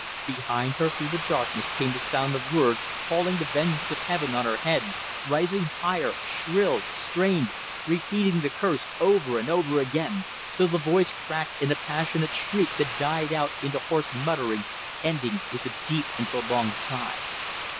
Behind her, through the darkness came the sound of words calling the vengeance of heaven on her head, rising higher, shrill, strained, repeating the curse over and over again till the voice cracked in a passionate shriek that died out into hoarse muttering ending with a deep and prolonged sigh.